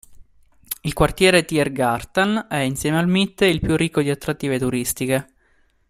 Il quartiere Tiergarten è, insieme a Mitte, il più ricco di attrattive turistiche.